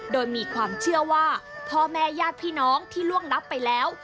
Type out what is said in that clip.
โดยมีความเชื่อว่าพ่อแม่ญาติพี่น้องที่ล่วงลับไปแล้ว